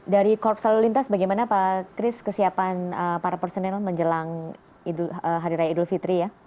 dari korps lalu lintas bagaimana pak kris kesiapan para personel menjelang hari raya idul fitri ya